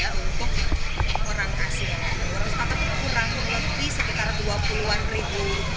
harus tetap kurang lebih sekitar dua puluh an ribu rupiah